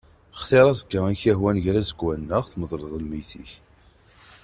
Xtiṛ aẓekka i k-ihwan gar iẓekwan-nneɣ tmeḍleḍ lmegget-ik.